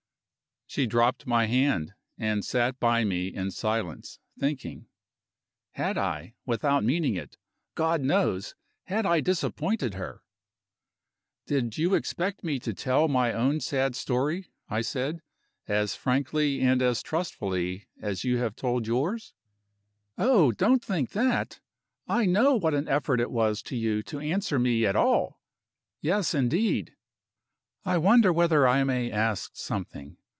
She dropped my hand, and sat by me in silence, thinking. Had I without meaning it, God knows! had I disappointed her? "Did you expect me to tell my own sad story," I said, "as frankly and as trustfully as you have told yours?" "Oh, don't think that! I know what an effort it was to you to answer me at all. Yes, indeed! I wonder whether I may ask something.